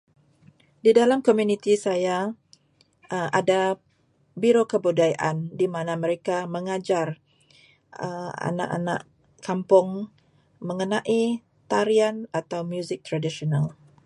Di dalam komuniti saya, ada biro kebudayaan di mana mereka mengajar anak-anak kampung mengenai tarian atau muzik tradisional.